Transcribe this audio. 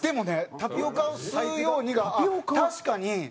「タピオカを吸うように」が確かに。